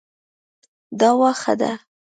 دا واښه ده